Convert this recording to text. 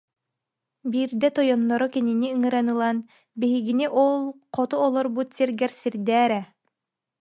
Биирдэ тойонноро кинини ыҥыран ылан: «Биһигини ол хоту олорбут сиргэр сирдээ эрэ»